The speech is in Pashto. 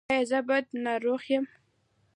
ایا زه بد ناروغ یم؟